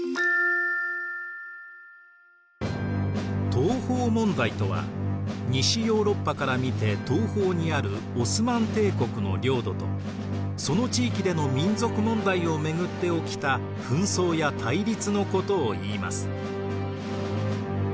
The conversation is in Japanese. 東方問題とは西ヨーロッパから見て東方にあるオスマン帝国の領土とその地域での民族問題を巡って起きた紛争や対立のことをいいます。